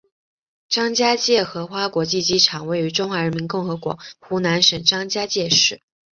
张家界荷花国际机场位于中华人民共和国湖南省张家界市。